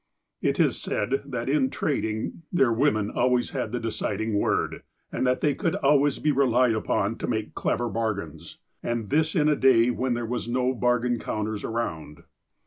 It is said, that in trading their women always had the deciding word, and that they could always be relied upon to make clever bargains. And this in a day when there were no bargain counters around.